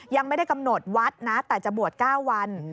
ยังไม่ได้กำหนดวัดนะแต่จะบวช๙วัน